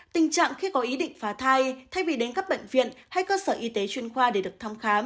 tình trạng khi có ý định phá thai thay vì đến các bệnh viện hay cơ sở y tế chuyên khoa để được thăm khám